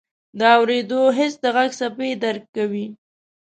د اورېدو حس د غږ څپې درک کوي.